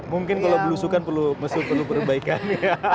mungkin kalau belusukan perlu mesti perlu perbaikan ya